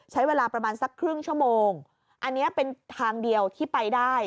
ใช้เวลาประมาณสักครึ่งชั่วโมงอันนี้เป็นทางเดียวที่ไปได้